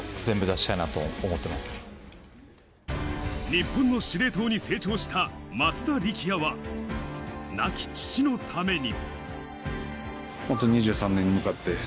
日本の司令塔に成長した松田力也は亡き父のために。